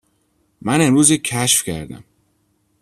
من امروز یک کشف کردم.